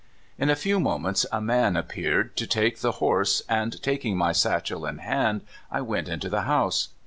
In a few moments a man appeared to take the horse, and, taking my satchel in hand, I went into the house.